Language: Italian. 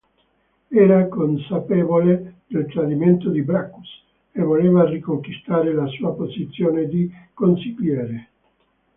Era consapevole del tradimento di Brackus e voleva riconquistare la sua posizione di consigliere.